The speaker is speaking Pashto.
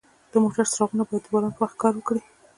د موټر څراغونه باید د باران په وخت کار وکړي.